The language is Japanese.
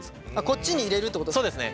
こっちに入れるってことですか？